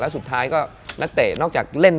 สุดท้ายก็นักเตะนอกจากเล่น